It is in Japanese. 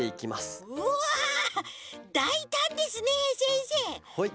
うわだいたんですねせんせい。